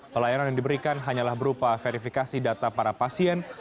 pelayanan yang diberikan hanyalah berupa verifikasi data para pasien